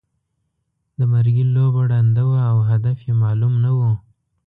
د مرګي لوبه ړنده وه او هدف یې معلوم نه وو.